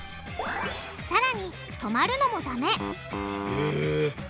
さらに止まるのもダメえ。